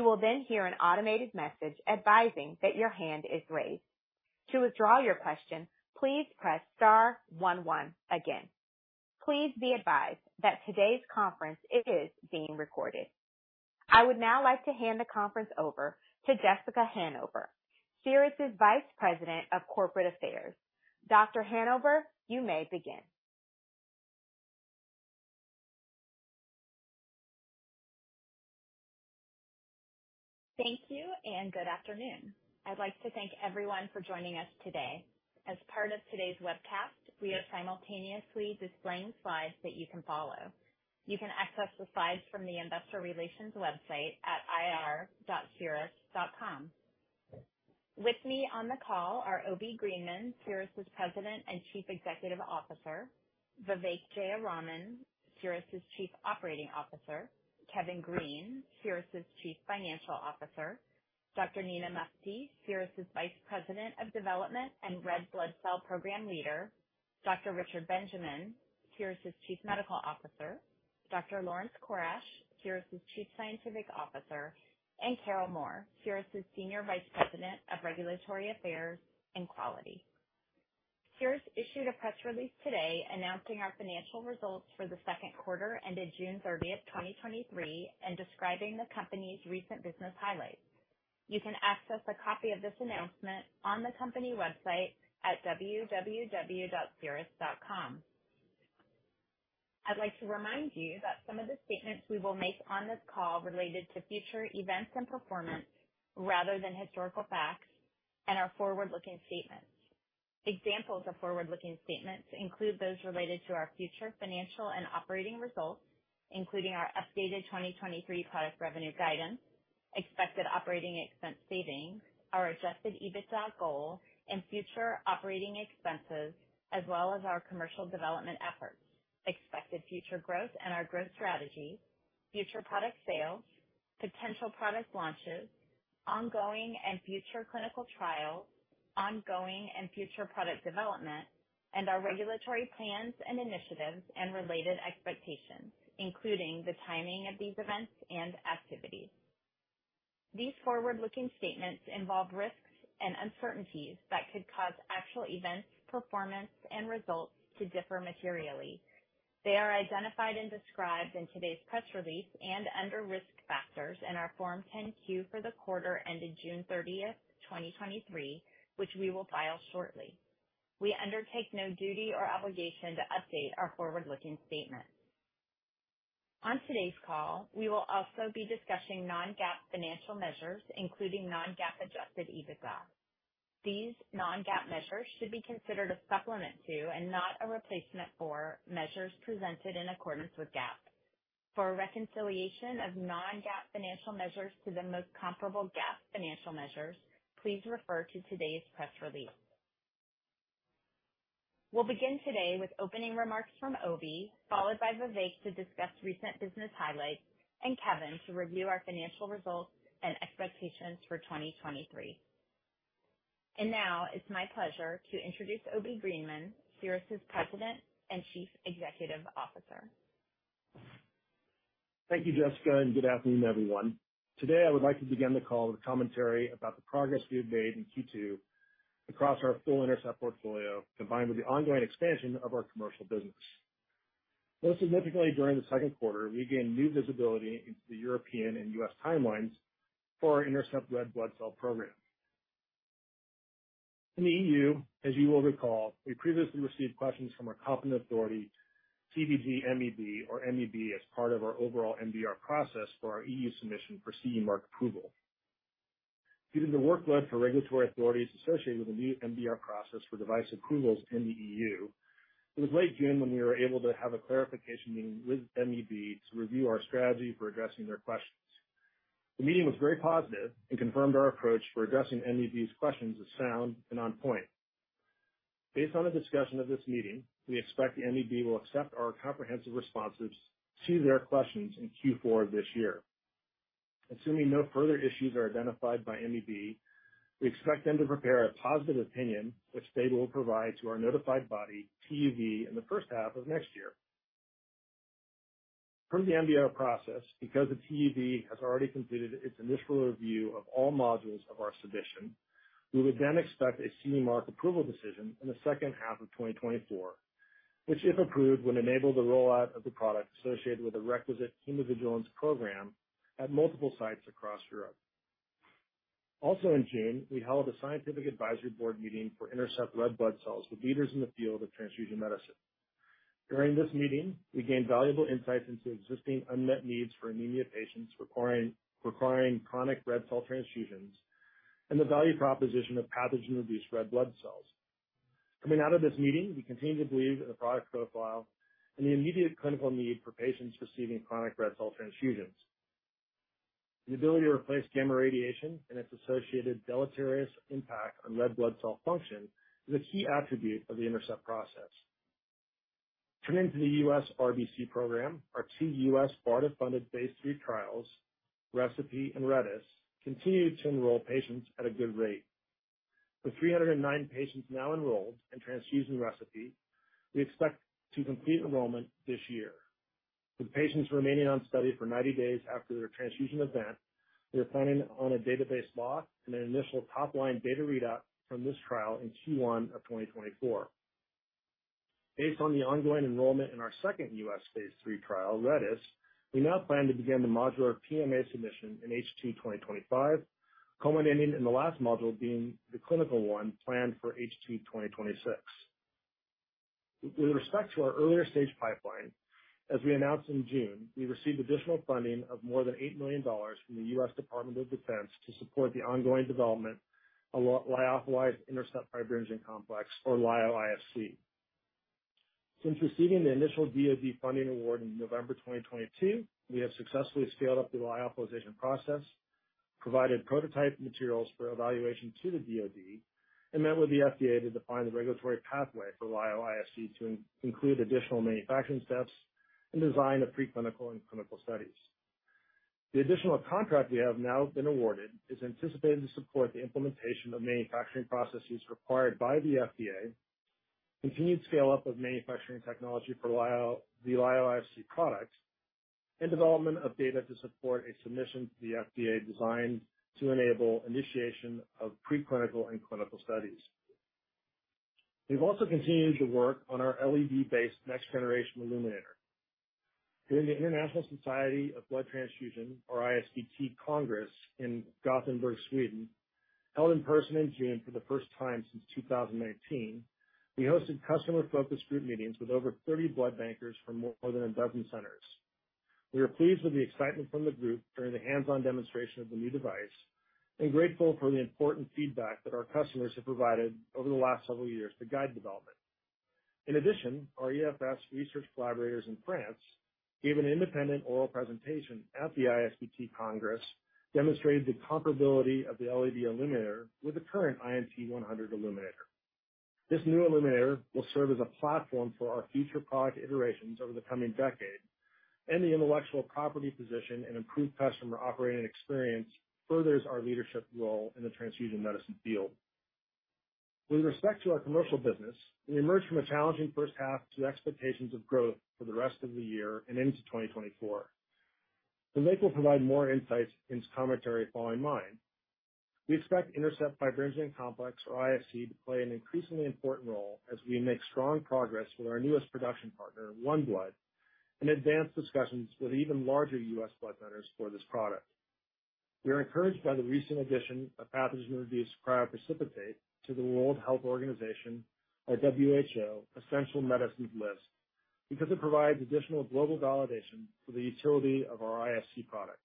You will then hear an automated message advising that your hand is raised. To withdraw your question, please press star one one again. Please be advised that today's conference is being recorded. I would now like to hand the conference over to Jessica Hanover, Cerus's Vice President of Corporate Affairs. Dr. Hanover, you may begin. Thank you, good afternoon. I'd like to thank everyone for joining us today. As part of today's webcast, we are simultaneously displaying slides that you can follow. You can access the slides from the investor relations website at ir.cerus.com. With me on the call are Obi Greenman, Cerus's President and Chief Executive Officer; Vivek Jayaraman, Cerus's Chief Operating Officer; Kevin Green, Cerus's Chief Financial Officer; Dr. Nina Mufti, Cerus's Vice President, Development and Red Blood Cell Program Leader; Dr. Richard Benjamin, Cerus's Chief Medical Officer; Dr. Laurence Corash, Cerus's Chief Scientific Officer; and Carol Moore, Cerus's Senior Vice President of Regulatory Affairs and Quality. Cerus issued a press release today announcing our financial results for the second quarter ended June 30th, 2023, and describing the company's recent business highlights. You can access a copy of this announcement on the company website at www.cerus.com. I'd like to remind you that some of the statements we will make on this call related to future events and performance rather than historical facts, are forward-looking statements. Examples of forward-looking statements include those related to our future financial and operating results, including our updated 2023 product revenue guidance, expected operating expense savings, our adjusted EBITDA goal, and future operating expenses, as well as our commercial development efforts, expected future growth and our growth strategy, future product sales, potential product launches, ongoing and future clinical trials, ongoing and future product development, and our regulatory plans and initiatives and related expectations, including the timing of these events and activities. These forward-looking statements involve risks and uncertainties that could cause actual events, performance and results to differ materially. They are identified and described in today's press release and under Risk Factors in our Form 10-Q for the quarter ended June 30th, 2023, which we will file shortly. We undertake no duty or obligation to update our forward-looking statements. On today's call, we will also be discussing non-GAAP financial measures, including non-GAAP adjusted EBITDA. These non-GAAP measures should be considered a supplement to, and not a replacement for, measures presented in accordance with GAAP. For a reconciliation of non-GAAP financial measures to the most comparable GAAP financial measures, please refer to today's press release. We'll begin today with opening remarks from Obi, followed by Vivek to discuss recent business highlights, and Kevin to review our financial results and expectations for 2023. Now it's my pleasure to introduce Obi Greenman, Cerus's President and Chief Executive Officer. Thank you, Jessica. Good afternoon, everyone. Today, I would like to begin the call with commentary about the progress we have made in Q2 across our full INTERCEPT portfolio, combined with the ongoing expansion of our commercial business. Most significantly, during the second quarter, we gained new visibility into the European and U.S. timelines for our INTERCEPT red blood cell program. In the EU, as you will recall, we previously received questions from our competent authority, TUV, MEB or MEB, as part of our overall MDR process for our EU submission for CE Mark approval. Given the workload for regulatory authorities associated with the new MDR process for device approvals in the EU, it was late June when we were able to have a clarification meeting with MEB to review our strategy for addressing their questions. The meeting was very positive and confirmed our approach for addressing MEB's questions as sound and on point. Based on a discussion of this meeting, we expect the MEB will accept our comprehensive responses to their questions in Q4 of this year. Assuming no further issues are identified by MEB, we expect them to prepare a positive opinion, which they will provide to our notified body, TUV, in the first half of next year. From the MDR process, because the TUV has already completed its initial review of all modules of our submission, we would then expect a CE Mark approval decision in the second half of 2024, which, if approved, would enable the rollout of the product associated with the requisite hemovigilance program at multiple sites across Europe. Also in June, we held a scientific advisory board meeting for INTERCEPT Red Blood Cells with leaders in the field of transfusion medicine. During this meeting, we gained valuable insights into existing unmet needs for anemia patients requiring chronic red cell transfusions and the value proposition of pathogen-reduced red blood cells. Coming out of this meeting, we continue to believe in the product profile and the immediate clinical need for patients receiving chronic red cell transfusions. The ability to replace gamma radiation and its associated deleterious impact on red blood cell function is a key attribute of the INTERCEPT process. Turning to the US RBC program, our two U.S BARDA-funded Phase III trials, RECIPE and REDS, continue to enroll patients at a good rate. With 309 patients now enrolled in transfusion ReCePI, we expect to complete enrollment this year. With patients remaining on study for 90 days after their transfusion event, we are planning on a database lock and an initial top-line data readout from this trial in Q1 of 2024. Based on the ongoing enrollment in our second U.S. Phase III trial, REDS, we now plan to begin the modular PMA submission in H2 2025, culminating in the last module being the clinical one planned for H2 2026. With respect to our earlier stage pipeline, as we announced in June, we received additional funding of more than $8 million from the U.S. Department of Defense to support the ongoing development of lyophilized INTERCEPT Fibrinogen Complex, or LyoIFC. Since receiving the initial DoD funding award in November 2022, we have successfully scaled up the lyophilization process, provided prototype materials for evaluation to the DoD, and met with the FDA to define the regulatory pathway for LyoIFC to include additional manufacturing steps and design of preclinical and clinical studies. The additional contract we have now been awarded is anticipated to support the implementation of manufacturing processes required by the FDA, continued scale-up of manufacturing technology for the LyoIFC products, and development of data to support a submission to the FDA designed to enable initiation of preclinical and clinical studies. We've also continued to work on our LED-based next-generation illuminator. During the International Society of Blood Transfusion, or ISBT Congress in Gothenburg, Sweden, held in person in June for the first time since 2019, we hosted customer focus group meetings with over 30 blood bankers from more than a dozen centers. We are pleased with the excitement from the group during the hands-on demonstration of the new device and grateful for the important feedback that our customers have provided over the last several years to guide development. Our EFS research collaborators in France gave an independent oral presentation at the ISBT Congress, demonstrating the comparability of the LED illuminator with the current INT100 illuminator. This new illuminator will serve as a platform for our future product iterations over the coming decade. The intellectual property position and improved customer operating experience furthers our leadership role in the transfusion medicine field. With respect to our commercial business, we emerged from a challenging first half to expectations of growth for the rest of the year and into 2024. Vivek will provide more insights in his commentary following mine. We expect INTERCEPT Fibrinogen Complex, or IFC, to play an increasingly important role as we make strong progress with our newest production partner, OneBlood, and advance discussions with even larger US blood centers for this product. We are encouraged by the recent addition of pathogen-reduced cryoprecipitate to the World Health Organization, or WHO, Essential Medicines list, because it provides additional global validation for the utility of our IFC product.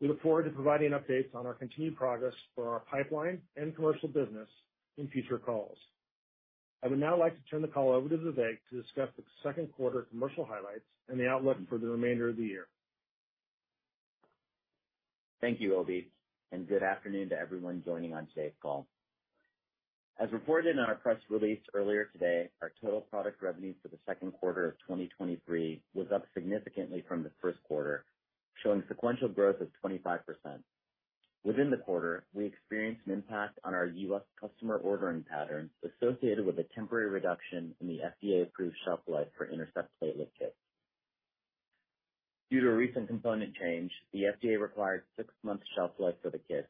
We look forward to providing updates on our continued progress for our pipeline and commercial business in future calls. I would now like to turn the call over to Vivek to discuss the second quarter commercial highlights and the outlook for the remainder of the year. Thank you, Obi, good afternoon to everyone joining on today's call. As reported in our press release earlier today, our total product revenues for the second quarter of 2023 was up significantly from the first quarter, showing sequential growth of 25%. Within the quarter, we experienced an impact on our U.S. customer ordering patterns associated with a temporary reduction in the FDA-approved shelf life for INTERCEPT platelet kits. Due to a recent component change, the FDA required six months shelf life for the kit,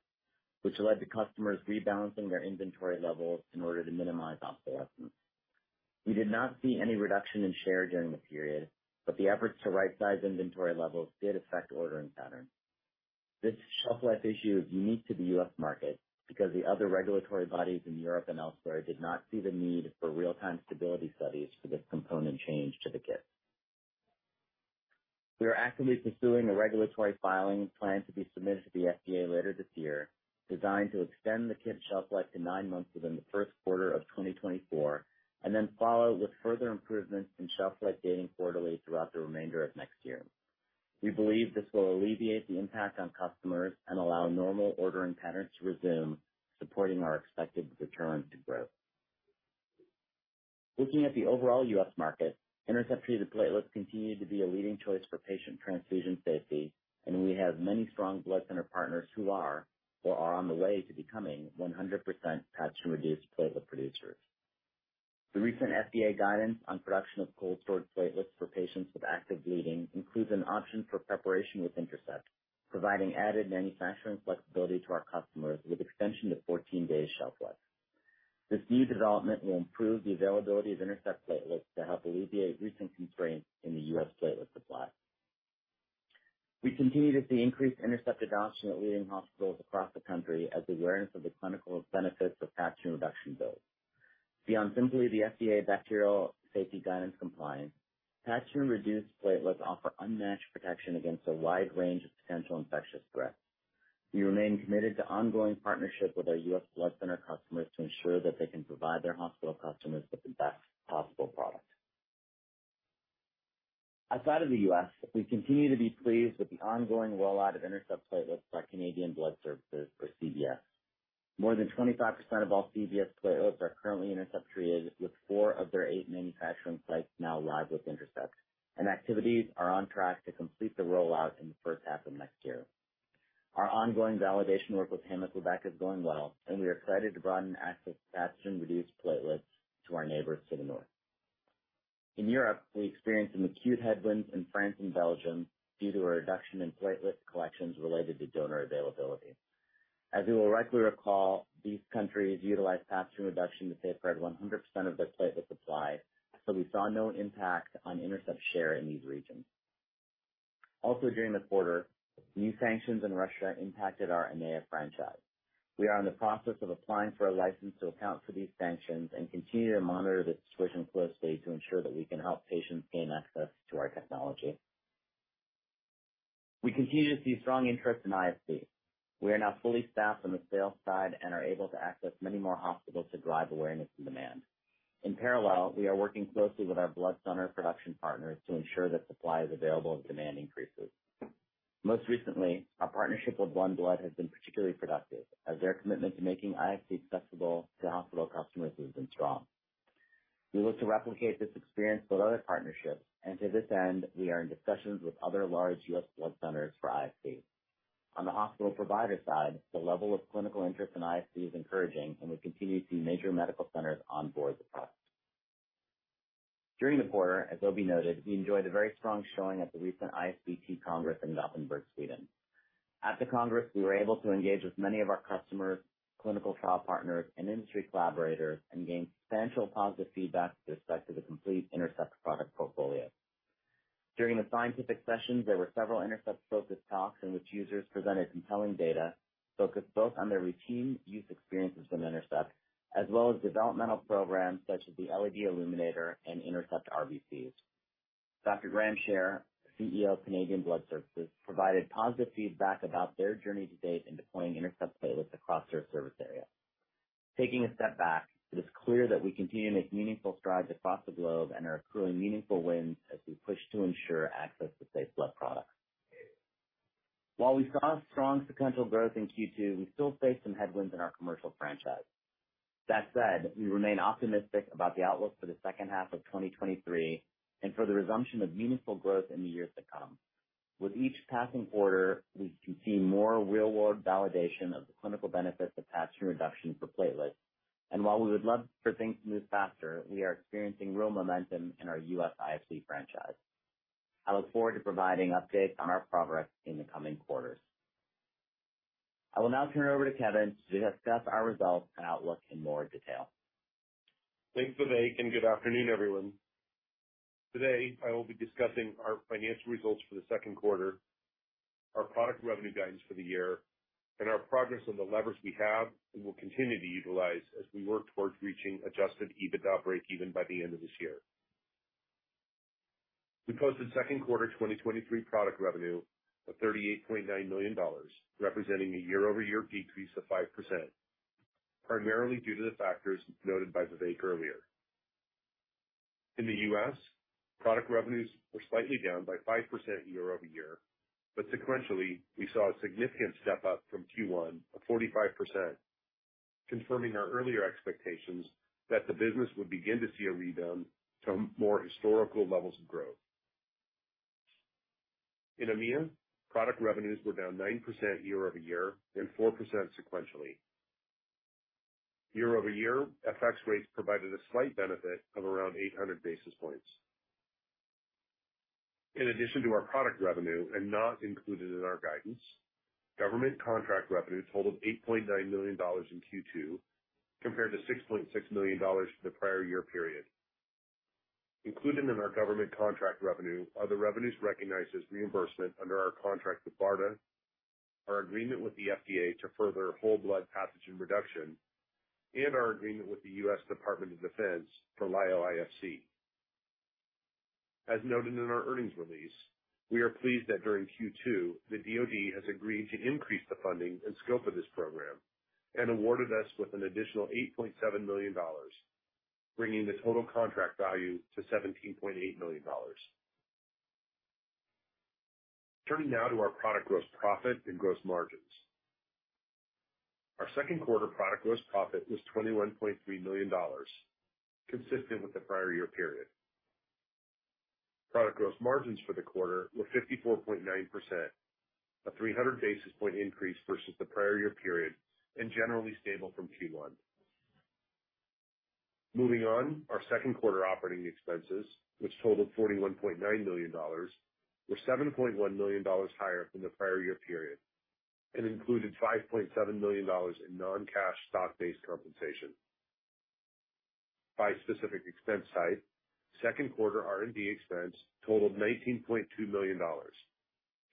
which led to customers rebalancing their inventory levels in order to minimize obsolescence. We did not see any reduction in share during the period, the efforts to rightsize inventory levels did affect ordering patterns. This shelf life issue is unique to the U.S. market because the other regulatory bodies in Europe and elsewhere did not see the need for real-time stability studies for this component change to the kit. We are actively pursuing a regulatory filing plan to be submitted to the FDA later this year, designed to extend the kit shelf life to nine months within the first quarter of 2024, and then follow with further improvements in shelf life dating quarterly throughout the remainder of next year. We believe this will alleviate the impact on customers and allow normal ordering patterns to resume, supporting our expected return to growth. Looking at the overall U.S. market, INTERCEPT treated platelets continued to be a leading choice for patient transfusion safety. We have many strong blood center partners who are, or are on the way to becoming, 100% pathogen-reduced platelet producers. The recent FDA guidance on production of cold stored platelets for patients with active bleeding includes an option for preparation with INTERCEPT, providing added manufacturing flexibility to our customers with extension to 14 days shelf life. This new development will improve the availability of INTERCEPT platelets to help alleviate recent constraints in the U.S. platelet supply. We continue to see increased INTERCEPT adoption at leading hospitals across the country as awareness of the clinical benefits of pathogen reduction builds. Beyond simply the FDA bacterial safety guidance compliance, pathogen reduced platelets offer unmatched protection against a wide range of potential infectious threats. We remain committed to ongoing partnership with our U.S. blood center customers to ensure that they can provide their hospital customers with the best possible product. Outside of the U.S., we continue to be pleased with the ongoing rollout of INTERCEPT platelets by Canadian Blood Services, or CBS. More than 25% of all CBS platelets are currently INTERCEPT treated, with four of their eight manufacturing sites now live with INTERCEPT. Activities are on track to complete the rollout in the first half of next year. Our ongoing validation work with Héma-Québec is going well. We are excited to broaden access to pathogen-reduced platelets to our neighbors to the north. In Europe, we experienced some acute headwinds in France and Belgium due to a reduction in platelet collections related to donor availability. As you will rightly recall, these countries utilize pathogen reduction to safeguard 100% of their platelet supply. We saw no impact on INTERCEPT share in these regions. Also, during the quarter, new sanctions in Russia impacted our EMEA franchise. We are in the process of applying for a license to account for these sanctions and continue to monitor the situation closely to ensure that we can help patients gain access to our technology. We continue to see strong interest in IFC. We are now fully staffed on the sales side and are able to access many more hospitals to drive awareness and demand. In parallel, we are working closely with our blood center production partners to ensure that supply is available as demand increases. Most recently, our partnership with OneBlood has been particularly productive, as their commitment to making IFC accessible to hospital customers has been strong. We look to replicate this experience with other partnerships. To this end, we are in discussions with other large U.S. blood centers for IFC. On the hospital provider side, the level of clinical interest in IFC is encouraging, and we continue to see major medical centers on board the product. During the quarter, as Obi noted, we enjoyed a very strong showing at the recent ISBT Congress in Gothenburg, Sweden. At the Congress, we were able to engage with many of our customers, clinical trial partners, and industry collaborators and gained substantial positive feedback with respect to the complete INTERCEPT product portfolio. During the scientific sessions, there were several INTERCEPT-focused talks in which users presented compelling data focused both on their routine use experiences with INTERCEPT, as well as developmental programs such as the LED illuminator and INTERCEPT RBCs. Dr. Graham Sher, CEO of Canadian Blood Services, provided positive feedback about their journey to date in deploying INTERCEPT platelets across their service area. Taking a step back, it is clear that we continue to make meaningful strides across the globe and are accruing meaningful wins as we push to ensure access to safe blood products. While we saw strong sequential growth in Q2, we still face some headwinds in our commercial franchise. That said, we remain optimistic about the outlook for the second half of 2023 and for the resumption of meaningful growth in the years to come. With each passing quarter, we continue to see more real-world validation of the clinical benefits of pathogen reduction for platelets. While we would love for things to move faster, we are experiencing real momentum in our U.S. IFC franchise. I look forward to providing updates on our progress in the coming quarters. I will now turn it over to Kevin to discuss our results and outlook in more detail. Thanks, Vivek, and good afternoon, everyone. Today, I will be discussing our financial results for the second quarter, our product revenue guidance for the year, and our progress on the levers we have and will continue to utilize as we work towards reaching adjusted EBITDA break even by the end of this year. We posted second quarter 2023 product revenue of $38.9 million, representing a year-over-year decrease of 5%, primarily due to the factors noted by Vivek earlier. In the U.S., product revenues were slightly down by 5% year-over-year, but sequentially, we saw a significant step-up from Q1 of 45%, confirming our earlier expectations that the business would begin to see a rebound to more historical levels of growth. In EMEA, product revenues were down 9% year-over-year and 4% sequentially. Year-over-year, FX rates provided a slight benefit of around 800 basis points. In addition to our product revenue and not included in our guidance, government contract revenue totaled $8.9 million in Q2, compared to $6.6 million for the prior year period. Included in our government contract revenue are the revenues recognized as reimbursement under our contract with BARDA, our agreement with the FDA to further whole blood pathogen reduction, and our agreement with the U.S. Department of Defense for LyoIFC. As noted in our earnings release, we are pleased that during Q2, the DoD has agreed to increase the funding and scope of this program and awarded us with an additional $8.7 million, bringing the total contract value to $17.8 million. Turning now to our product gross profit and gross margins. Our second quarter product gross profit was $21.3 million, consistent with the prior year period. Product gross margins for the quarter were 54.9%, a 300 basis point increase versus the prior year period and generally stable from Q1. Moving on, our second quarter operating expenses, which totaled $41.9 million, were $7.1 million higher than the prior year period and included $5.7 million in non-cash stock-based compensation. By specific expense type, second quarter R&D expense totaled $19.2 million,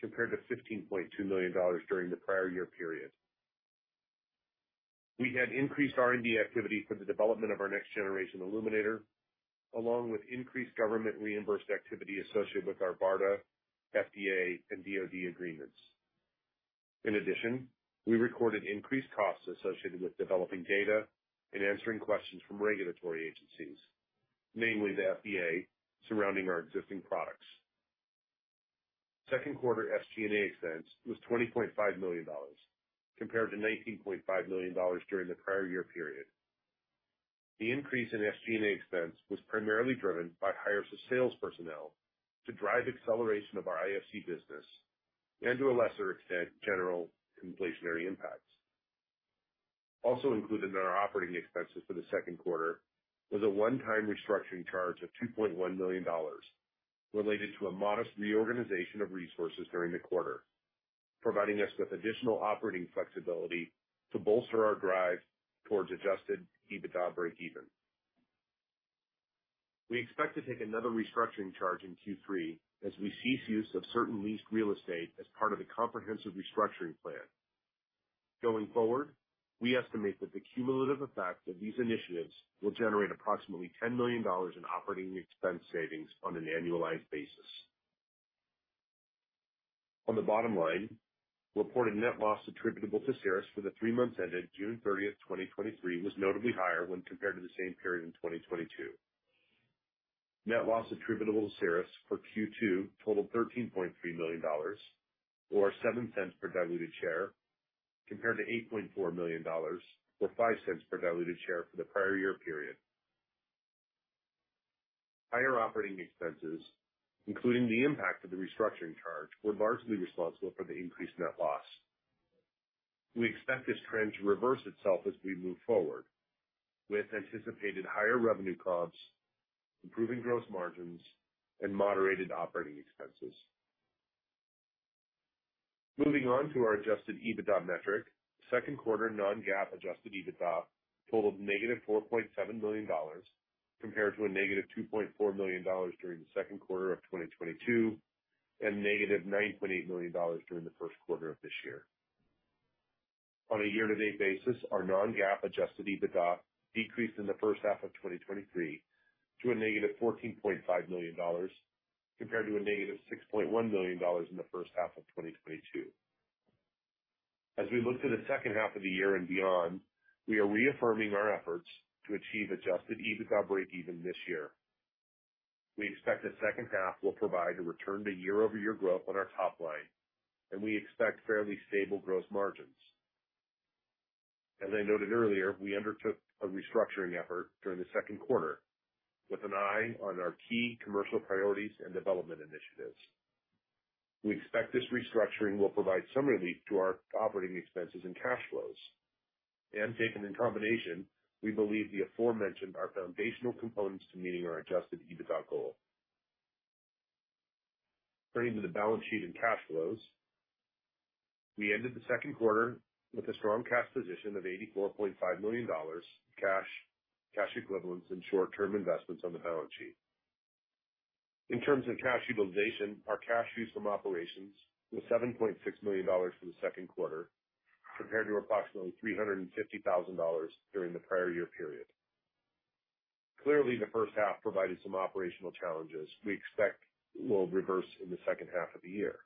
compared to $15.2 million during the prior year period. We had increased R&D activity for the development of our next-generation illuminator, along with increased government reimbursed activity associated with our BARDA, FDA, and DoD agreements. In addition, we recorded increased costs associated with developing data and answering questions from regulatory agencies, namely the FDA, surrounding our existing products. Second quarter SG&A expense was $20.5 million, compared to $19.5 million during the prior year period. The increase in SG&A expense was primarily driven by hires of sales personnel to drive acceleration of our IFC business and, to a lesser extent, general inflationary impacts. Also included in our operating expenses for the second quarter was a one-time restructuring charge of $2.1 million, related to a modest reorganization of resources during the quarter, providing us with additional operating flexibility to bolster our drive towards adjusted EBITDA breakeven. We expect to take another restructuring charge in Q3 as we cease use of certain leased real estate as part of the comprehensive restructuring plan. Going forward, we estimate that the cumulative effects of these initiatives will generate approximately $10 million in operating expense savings on an annualized basis. On the bottom line, reported net loss attributable to Cerus for the three months ended June 30th, 2023, was notably higher when compared to the same period in 2022. Net loss attributable to Cerus for Q2 totaled $13.3 million, or $0.07 per diluted share, compared to $8.4 million, or $0.05 per diluted share for the prior year period. Higher operating expenses, including the impact of the restructuring charge, were largely responsible for the increased net loss. We expect this trend to reverse itself as we move forward, with anticipated higher revenue comps, improving gross margins, and moderated operating expenses. Moving on to our adjusted EBITDA metric. Second quarter non-GAAP adjusted EBITDA totaled -$4.7 million, compared to -$2.4 million during the second quarter of 2022, and -$9.8 million during the first quarter of this year. On a year-to-date basis, our non-GAAP adjusted EBITDA decreased in the first half of 2023 to -$14.5 million, compared to -$6.1 million in the first half of 2022. As we look to the second half of the year and beyond, we are reaffirming our efforts to achieve adjusted EBITDA breakeven this year. We expect the second half will provide a return to year-over-year growth on our top line, and we expect fairly stable gross margins. As I noted earlier, we undertook a restructuring effort during the second quarter with an eye on our key commercial priorities and development initiatives. We expect this restructuring will provide some relief to our operating expenses and cash flows. Taken in combination, we believe the aforementioned are foundational components to meeting our adjusted EBITDA goal. Turning to the balance sheet and cash flows. We ended the second quarter with a strong cash position of $84.5 million cash, cash equivalents, and short-term investments on the balance sheet. In terms of cash utilization, our cash use from operations was $7.6 million for the second quarter, compared to approximately $350,000 during the prior year period. Clearly, the first half provided some operational challenges we expect will reverse in the second half of the year.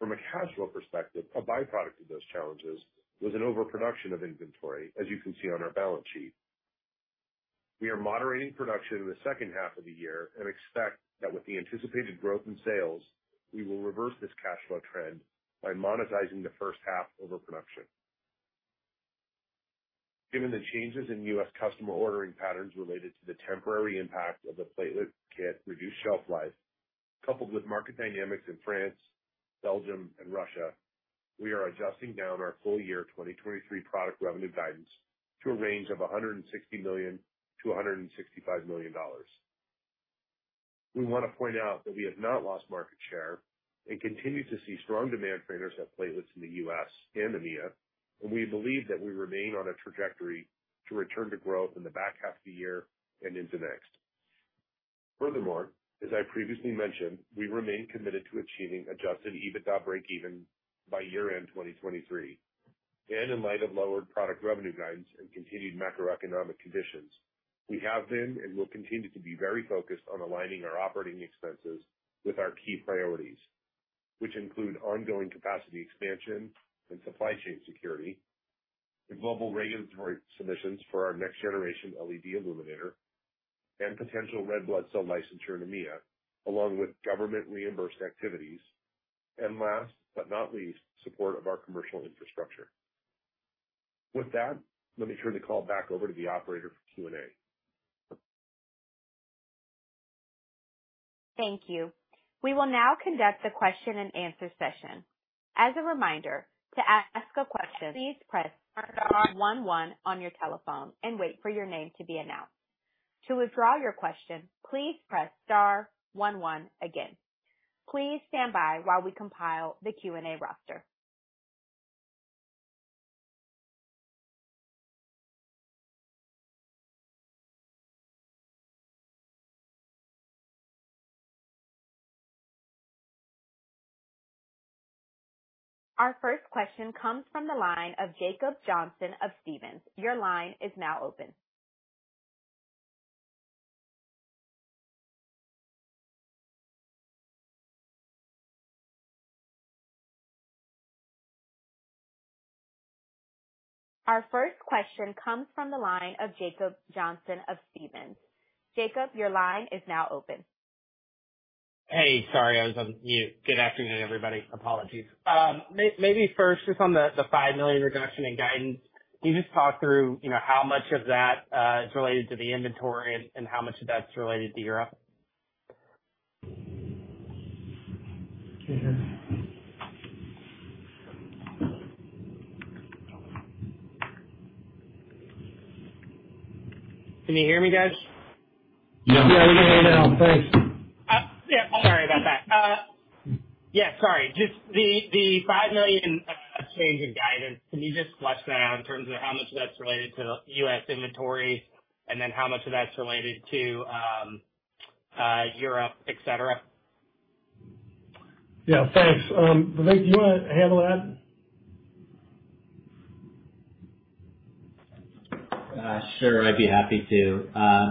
From a cash flow perspective, a byproduct of those challenges was an overproduction of inventory, as you can see on our balance sheet. We are moderating production in the second half of the year and expect that with the anticipated growth in sales, we will reverse this cash flow trend by monetizing the first half overproduction. Given the changes in U.S. customer ordering patterns related to the temporary impact of the platelet kit reduced shelf life, coupled with market dynamics in France, Belgium, and Russia, we are adjusting down our full year 2023 product revenue guidance to a range of $160 million-$165 million. We want to point out that we have not lost market share and continue to see strong demand for INTERCEPT platelets in the U.S. and EMEA, and we believe that we remain on a trajectory to return to growth in the back half of the year and into next. Furthermore, as I previously mentioned, we remain committed to achieving adjusted EBITDA breakeven by year-end 2023. In light of lowered product revenue guidance and continued macroeconomic conditions, we have been and will continue to be very focused on aligning our operating expenses with our key priorities, which include ongoing capacity expansion and supply chain security, the global regulatory submissions for our next generation LED illuminator, and potential red blood cell licensure in EMEA, along with government reimbursed activities, and last but not least, support of our commercial infrastructure. With that, let me turn the call back over to the operator for Q&A. Thank you. We will now conduct a question-and-answer session. As a reminder, to ask a question, please press star one one on your telephone and wait for your name to be announced. To withdraw your question, please press star one one again. Please stand by while we compile the Q&A roster. Our first question comes from the line of Jacob Johnson of Stephens. Your line is now open. Our first question comes from the line of Jacob Johnson of Stephens. Jacob, your line is now open. Hey, sorry, I was on mute. Good afternoon, everybody. Apologies. maybe first, just on the, the $5 million reduction in guidance, can you just talk through, you know, how much of that is related to the inventory and, and how much of that's related to Europe? Can you hear me, guys? Yeah, we can hear you now. Thanks. Yeah, sorry about that. Yeah, sorry. Just the, the $5 million change in guidance, can you just flesh that out in terms of how much of that's related to the U.S. inventory and then how much of that's related to Europe, et cetera? Yeah, thanks. Vivek, do you want to handle that? Sure, I'd be happy to.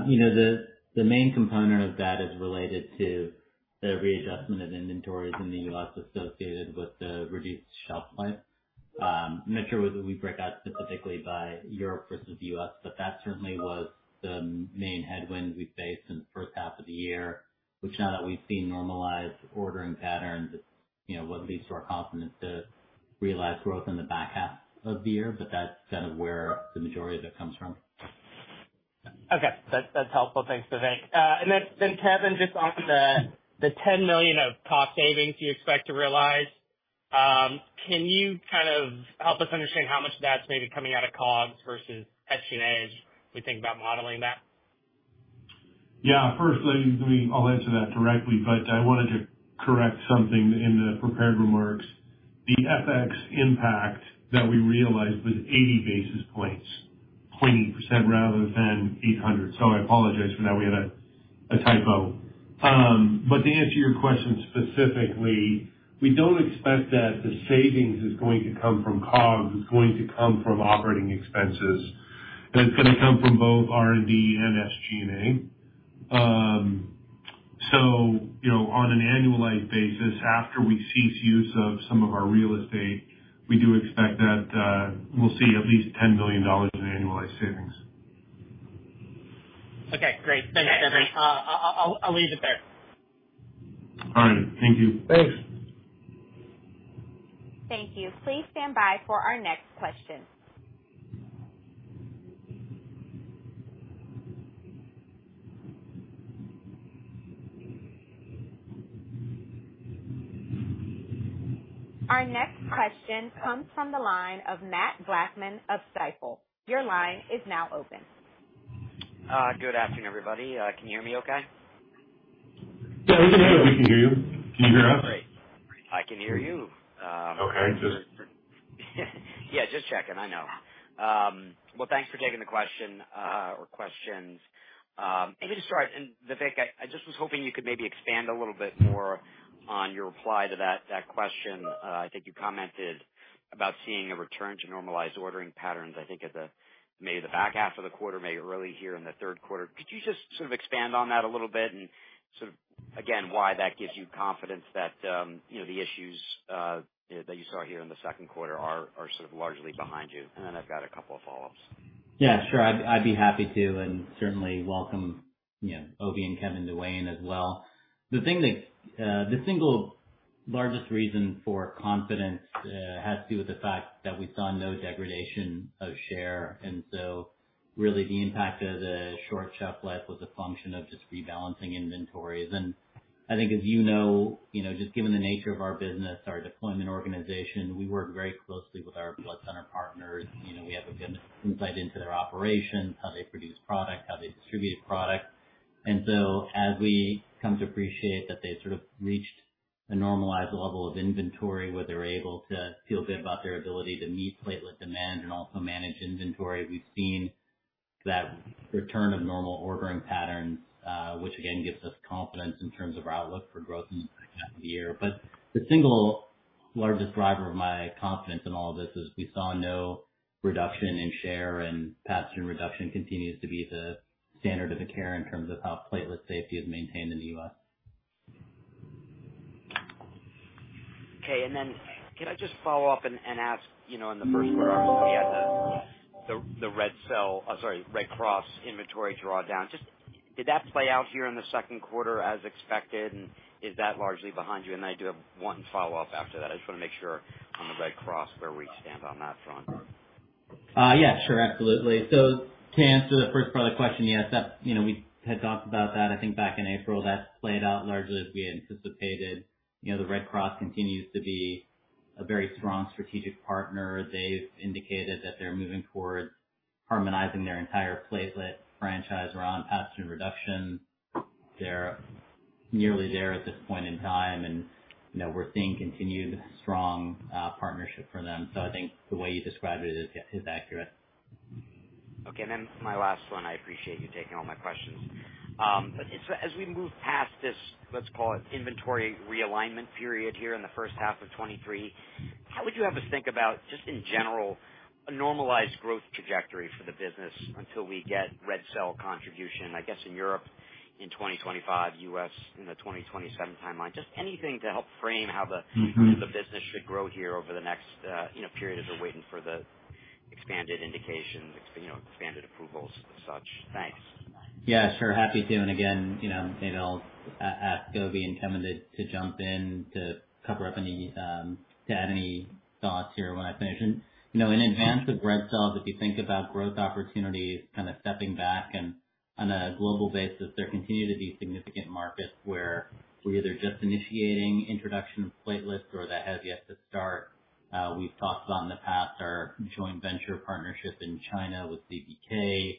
You know, the, the main component of that is related to the readjustment of inventories in the U.S. associated with the reduced shelf life. I'm not sure whether we break out specifically by Europe versus the U.S., but that certainly was the main headwind we faced in the first half of the year, which now that we've seen normalized ordering patterns, it's, you know, what leads to our confidence to realize growth in the back half of the year, but that's kind of where the majority of it comes from. Okay. That's, that's helpful. Thanks, Vivek. And then, then, Kevin, just on the $10 million of cost savings you expect to realize, can you kind of help us understand how much of that's maybe coming out of COGS versus SG&A, as we think about modeling that? Yeah. Firstly, I mean, I'll answer that directly, but I wanted to correct something in the prepared remarks. The FX impact that we realized was 80 basis points, 0.8% rather than 800. I apologize for that. We had a typo. But to answer your question specifically, we don't expect that the savings is going to come from COGS, it's going to come from operating expenses, and it's going to come from both R&D and SG&A. You know, on an annualized basis, after we cease use of some of our real estate, we do expect that we'll see at least $10 billion in annualized savings. Okay, great. Thanks, Kevin. I'll leave it there. All right. Thank you. Thanks. Thank you. Please stand by for our next question. Our next question comes from the line of Matt Blackman of Stifel. Your line is now open. Good afternoon, everybody. Can you hear me okay? Yeah, we can hear you. We can hear you. Can you hear us? Great. I can hear you. Okay, good. Yeah, just checking. I know. Well, thanks for taking the question, or questions. Maybe just start, and, Vivek, I, I just was hoping you could maybe expand a little bit more on your reply to that, that question. I think you commented about seeing a return to normalized ordering patterns, I think, at the, maybe the back half of the quarter, maybe early here in the third quarter. Could you just sort of expand on that a little bit and sort of, again, why that gives you confidence that, you know, the issues, that you saw here in the second quarter are, are sort of largely behind you? Then I've got a couple of follow-ups. Yeah, sure. I'd, I'd be happy to and certainly welcome, you know, Obi and Kevin to weigh in as well. The single largest reason for confidence has to do with the fact that we saw no degradation of share, and so really the impact of the short shelf life was a function of just rebalancing inventories. I think, as you know, you know, just given the nature of our business, our deployment organization, we work very closely with our blood center partners. You know, we have a good insight into their operations, how they produce product, how they distribute product. As we come to appreciate that they sort of reached a normalized level of inventory, where they're able to feel good about their ability to meet platelet demand and also manage inventory, we've seen that return of normal ordering patterns, which again, gives us confidence in terms of our outlook for growth in the second half of the year. The single largest driver of my confidence in all of this is we saw no reduction in share, and pathogen reduction continues to be the standard of the care in terms of how platelet safety is maintained in the U.S. Can I just follow up and ask, you know, in the first quarter, obviously you had the, the, the Red Cell, or sorry, Red Cross inventory drawdown. Just did that play out here in the second quarter as expected, and is that largely behind you? I do have one follow-up after that. I just want to make sure on the Red Cross, where we stand on that front. Yeah, sure, absolutely. To answer the first part of the question, yes, that, you know, we had talked about that, I think back in April. That's played out largely as we anticipated. You know, the Red Cross continues to be a very strong strategic partner. They've indicated that they're moving towards harmonizing their entire platelet franchise around pathogen reduction. They're nearly there at this point in time, and, you know, we're seeing continued strong partnership for them. I think the way you described it is, is accurate. Okay, my last one, I appreciate you taking all my questions. As, as we move past this, let's call it inventory realignment period here in the first half of 23, how would you have us think about, just in general, a normalized growth trajectory for the business until we get Red Cell contribution, I guess, in Europe in 2025, U.S. in the 2027 timeline? Just anything to help frame how the- Mm-hmm. The business should grow here over the next, you know, period as we're waiting for the expanded indications, you know, expanded approvals as such. Thanks. Yeah, sure. Happy to. Again, you know, maybe I'll ask Obi and Kevin to, to jump in to cover up any to add any thoughts here when I finish. You know, in advance of Red Cells, if you think about growth opportunities, kind of stepping back and on a global basis, there continue to be significant markets where we're either just initiating introduction of platelets or that has yet to start. We've talked about in the past our joint venture partnership in China with ZBJ.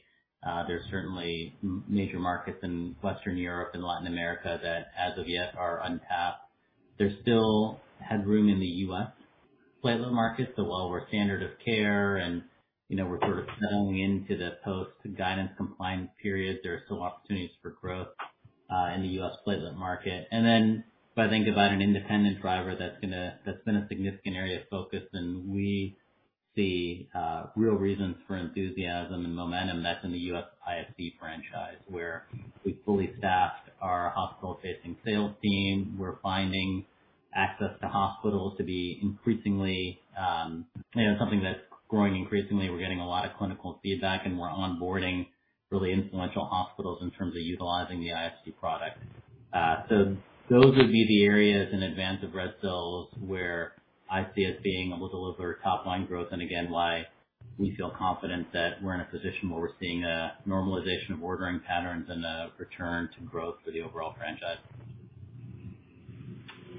There's certainly major markets in Western Europe and Latin America that as of yet are untapped. There still has room in the U.S. platelet market. While we're standard of care and, you know, we're sort of settling into the post-guidance compliance period, there are still opportunities for growth in the U.S. platelet market. Then if I think about an independent driver that's gonna -- that's been a significant area of focus, and we see real reasons for enthusiasm and momentum, that's in the U.S. IFC franchise, where we've fully staffed our hospital-facing sales team. We're finding access to hospitals to be increasingly, you know, something that's growing increasingly. We're getting a lot of clinical feedback, and we're onboarding really influential hospitals in terms of utilizing the IFC product. Those would be the areas in advance of Red Cells, where I see us being able to deliver top line growth, and again, why we feel confident that we're in a position where we're seeing a normalization of ordering patterns and a return to growth for the overall franchise.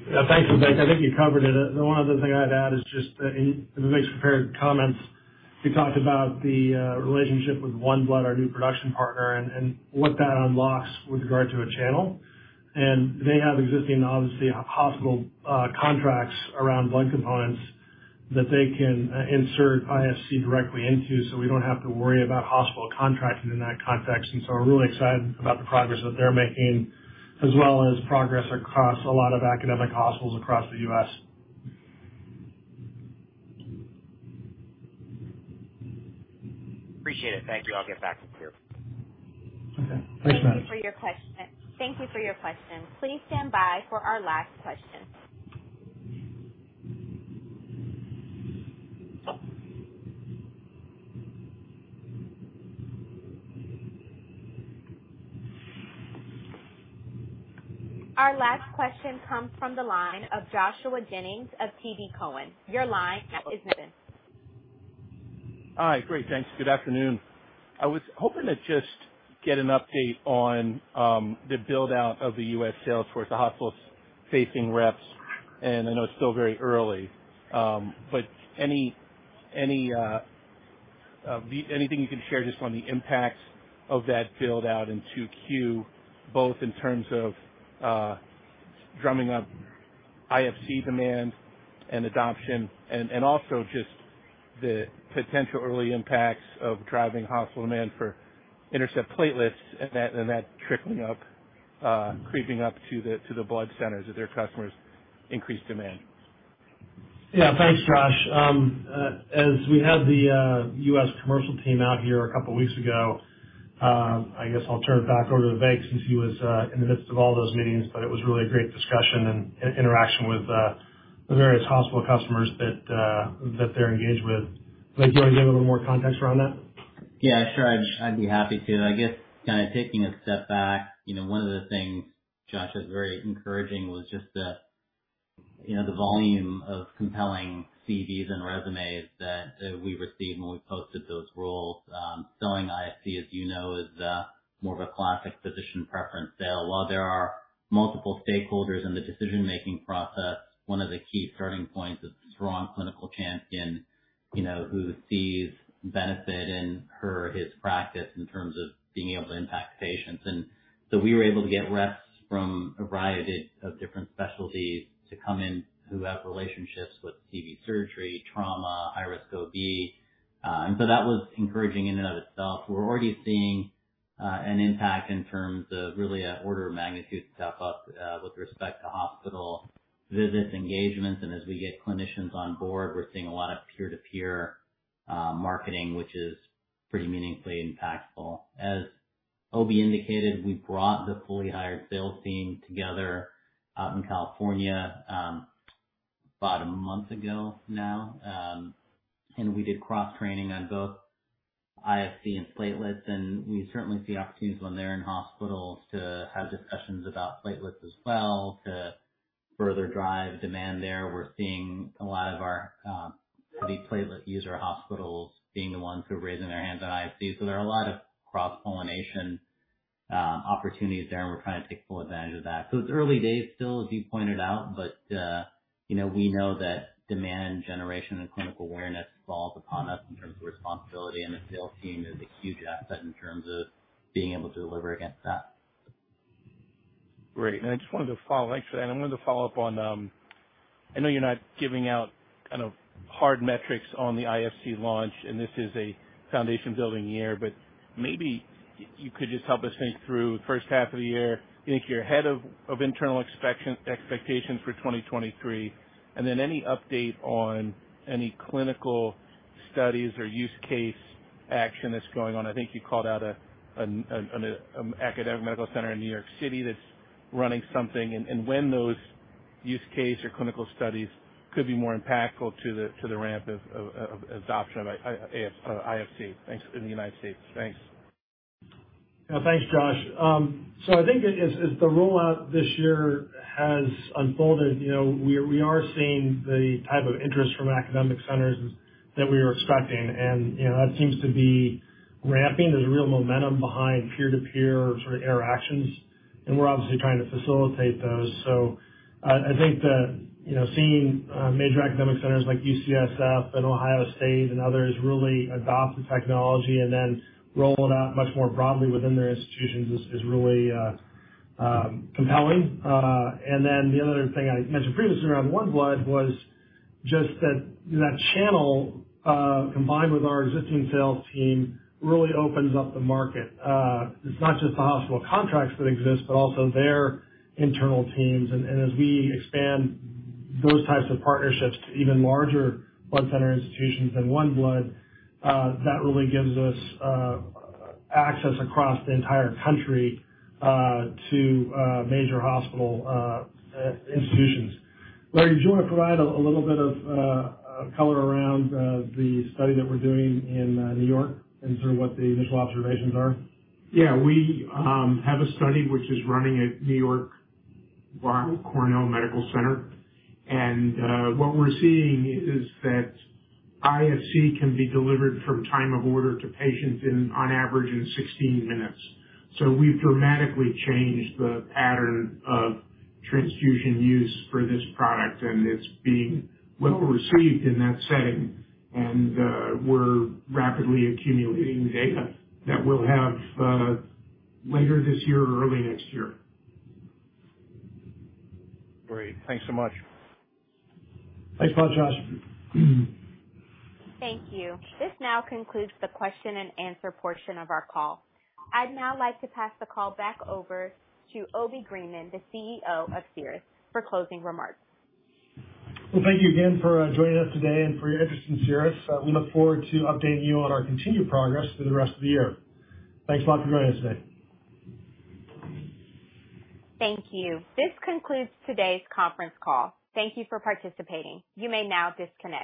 Yeah, thanks, Vivek. I think you covered it. The one other thing I'd add is just that in the prepared comments, we talked about the relationship with OneBlood, our new production partner, and, and what that unlocks with regard to a channel. They have existing, obviously, hospital, contracts around blood components that they can, insert IFC directly into, so we don't have to worry about hospital contracting in that context. We're really excited about the progress that they're making, as well as progress across a lot of academic hospitals across the U.S. Appreciate it. Thank you. I'll get back to you. Okay. Thanks, guys. Thank you for your question. Please stand by for our last question. Our last question comes from the line of Joshua Jennings of TD Cowen. Your line is open. Hi. Great, thanks. Good afternoon. I was hoping to just get an update on the build-out of the U.S. sales force, the hospital-facing reps. I know it's still very early. Any anything you can share just on the impact of that build-out in 2Q, both in terms of drumming up IFC demand and adoption and also just the potential early impacts of driving hospital demand for INTERCEPT platelets and that trickling up, creeping up to the blood centers as their customers increase demand. Yeah. Thanks, Josh. As we had the U.S. commercial team out here a couple weeks ago, I guess I'll turn it back over to Vivek, since he was in the midst of all those meetings. It was really a great discussion and, and interaction with the various hospital customers that they're engaged with. Vivek, do you want to give a little more context around that? Yeah, sure. I'd, I'd be happy to. I guess kind of taking a step back, you know, one of the things, Josh, that's very encouraging was just the, you know, the volume of compelling CVs and resumes that we received when we posted those roles. Selling IFC, as you know, is more of a classic physician preference sale. While there are multiple stakeholders in the decision-making process, one of the key starting points is a strong clinical champion, you know, who sees benefit in her or his practice in terms of being able to impact patients. So we were able to get reps from a variety of different specialties to come in, who have relationships with CV surgery, trauma, high risk OB. So that was encouraging in and of itself. We're already seeing an impact in terms of really an order of magnitude step up with respect to hospital visits, engagements, and as we get clinicians on board, we're seeing a lot of peer-to-peer marketing, which is pretty meaningfully impactful. As OB indicated, we brought the fully hired sales team together out in California about a month ago now. We did cross-training on both IFC and platelets, and we certainly see opportunities when they're in hospitals to have discussions about platelets as well, to further drive demand there. We're seeing a lot of our heavy platelet user hospitals being the ones who are raising their hands on IFC, so there are a lot of cross-pollination opportunities there, and we're trying to take full advantage of that. It's early days still, as you pointed out, but, you know, we know that demand generation and clinical awareness falls upon us in terms of responsibility, and the sales team is a huge asset in terms of being able to deliver against that. Great. I just wanted to follow. Thanks for that. I wanted to follow up on, I know you're not giving out kind of hard metrics on the IFC launch, and this is a foundation-building year, but maybe you could just help us think through the first half of the year. I think you're ahead of internal expectations for 2023, then any update on any clinical studies or use case action that's going on? I think you called out an academic medical center in New York City that's running something, when those use case or clinical studies could be more impactful to the ramp of adoption of IFC? Thanks. In the U.S. Thanks. Yeah, thanks, Josh. I think as, as the rollout this year has unfolded, you know, we are, we are seeing the type of interest from academic centers that we were expecting. You know, that seems to be ramping. There's a real momentum behind peer-to-peer sort of interactions, and we're obviously trying to facilitate those. I, I think that, you know, seeing major academic centers like UCSF and Ohio State and others really adopt the technology and then roll it out much more broadly within their institutions is, is really compelling. The other thing I mentioned previously around OneBlood was just that that channel, combined with our existing sales team, really opens up the market. It's not just the hospital contracts that exist, but also their internal teams. As we expand those types of partnerships to even larger blood center institutions than OneBlood, that really gives us access across the entire country, to major hospital institutions. Larry, did you want to provide a little bit of color around the study that we're doing in New York and sort of what the initial observations are? Yeah, we have a study which is running at NewYork-Presbyterian/Weill Cornell Medical Center, and what we're seeing is that IFC can be delivered from time of order to patient in, on average, in 16 minutes. We've dramatically changed the pattern of transfusion use for this product, and it's being well received in that setting. We're rapidly accumulating data that we'll have later this year or early next year. Great. Thanks so much. Thanks a lot, Josh. Thank you. This now concludes the question and answer portion of our call. I'd now like to pass the call back over to Obi Greenman, the CEO of Cerus, for closing remarks. Well, thank you again for joining us today and for your interest in Cerus. We look forward to updating you on our continued progress through the rest of the year. Thanks a lot for joining us today. Thank you. This concludes today's conference call. Thank you for participating. You may now disconnect.